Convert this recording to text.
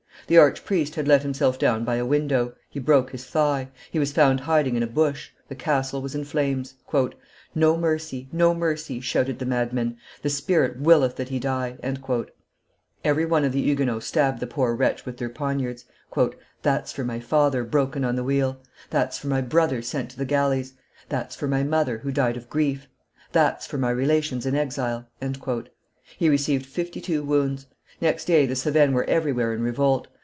The archpriest had let himself down by a window; he broke his thigh; he was found hiding in a bush; the castle was in flames. "No mercy, no mercy!" shouted the madmen; "the Spirit willeth that he die." Every one of the Huguenots stabbed the poor wretch with their poniards: "That's for my father, broken on the wheel; that's for my brother, sent to the galleys; that's for my mother, who died of grief; that's for my relations in exile!" He received fifty two wounds. Next day the Cevennes were everywhere in revolt.